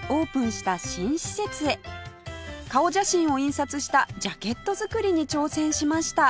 顔写真を印刷したジャケット作りに挑戦しました